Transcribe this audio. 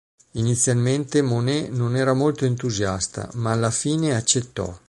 Inizialmente Monet non era molto entusiasta, ma alla fine accettò.